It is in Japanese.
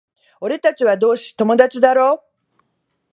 俺たちは同志、友達だろ？